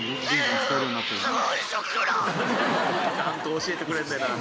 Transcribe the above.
ちゃんと教えてくれてな。